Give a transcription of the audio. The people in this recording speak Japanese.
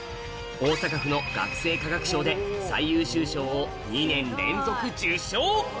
大阪府の学生科学賞で最優秀賞を２年連続受賞！